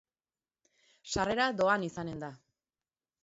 Sarrera doan izanen da.